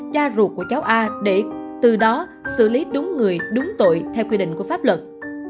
cha ruột của cháu a để từ đó xử lý đúng người đúng tội theo quy định của pháp luật